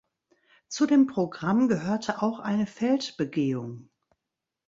Zu dem Programm gehörte auch eine Feldbegehung.